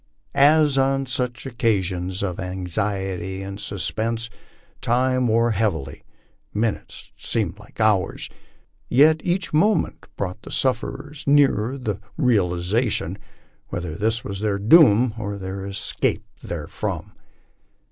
As on such occasions of anxiety and suspense, time wore heavily, minutes seemed like hours, yet each moment brought the sufferers nearer the realization whether this was their doom or their escape therefrom.